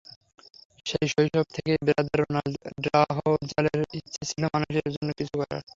সেই শৈশব থেকেই ব্রাদার রোনাল্ড ড্রাহোজালের ইচ্ছে ছিল মানুষের জন্য কিছু করার।